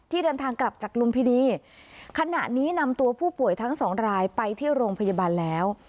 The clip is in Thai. เดินทางกลับจากลุมพินีขณะนี้นำตัวผู้ป่วยทั้งสองรายไปที่โรงพยาบาลแล้ว